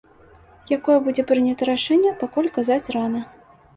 Якое будзе прынята рашэнне, пакуль казаць рана.